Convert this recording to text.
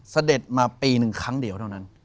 เสด็จมาปีหนึ่งครั้งเดียวเท่านั้น